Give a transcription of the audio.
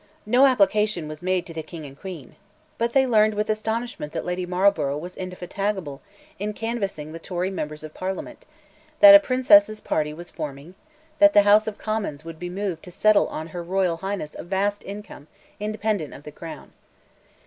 No application was made to the King and Queen. But they learned with astonishment that Lady Marlborough was indefatigable in canvassing the Tory members of Parliament, that a Princess's party was forming, that the House of Commons would be moved to settle on Her Royal Highness a vast income independent of the Crown.